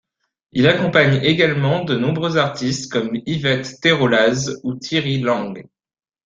Il accompagne également de nombreux artistes comme Yvette Théraulaz ou Thierry Lang.